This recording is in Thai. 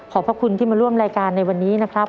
พระคุณที่มาร่วมรายการในวันนี้นะครับ